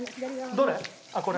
どれ？